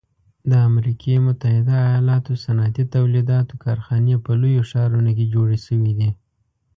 د امریکي متحده ایلاتو صنعتي تولیداتو کارخانې په لویو ښارونو کې جوړې شوي دي.